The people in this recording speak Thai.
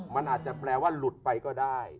มันอาจจะแปลว่าหลุดไปก็ได้